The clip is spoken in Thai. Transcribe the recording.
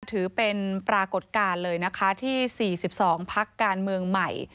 ถือเป็นปรากฏการณ์เลยนะคะที่๔๒พักการเมืองใหม่